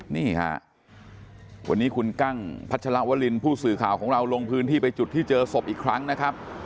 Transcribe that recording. นี่ฮะวันนี้คุณกั้งพัชลวรินผู้สื่อข่าวของเราลงพื้นที่ไปจุดที่เจอศพอีกครั้งนะครับ